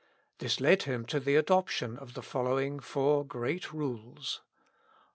This led him to the adoption of the following 261 Notes. four great rules : i.